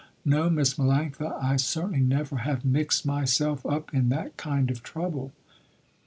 No Miss Melanctha I certainly never have mixed myself up in that kind of trouble."